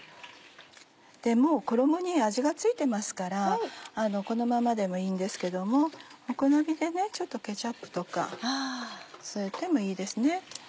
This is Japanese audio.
もう衣に味が付いてますからこのままでもいいんですけどもお好みでちょっとケチャップとか添えてもいいですね。